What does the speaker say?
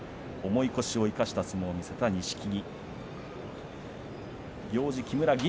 重い腰を生かした相撲を見せた錦木。